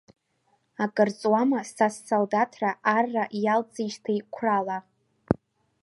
Акырҵуама, са ссолдаҭра арра иалҵижьҭеи қәрала?